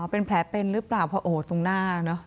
เป็นแผลเป็นหรือเปล่าเพราะโอ้โหตรงหน้าเนอะ